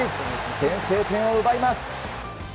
先制点を奪います。